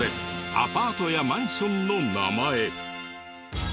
アパートやマンションの名前。